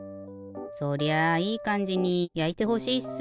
そりゃあいいかんじにやいてほしいっす。